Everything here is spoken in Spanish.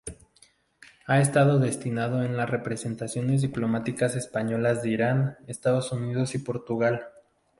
Ha estado destinado en las representaciones diplomáticas españolas en Irán, Estados Unidos y Portugal.